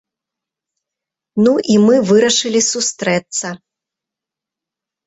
Ну, і мы вырашылі сустрэцца.